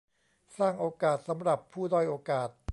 สร้างโอกาสสำหรับผู้ด้อยโอกาส